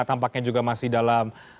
tampaknya juga masih dalam